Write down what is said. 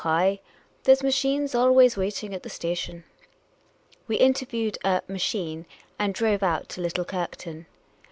I " Oh, a\', there 's machines always waitiiiij^ at the station." We interviewed a "machine" and drove out to Little Kirkton.